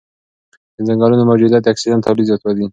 د ځنګلونو موجودیت د اکسیجن تولید زیاتوي.